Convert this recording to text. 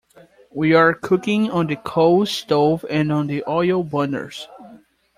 We are cooking on the coal stove and on the oil burners.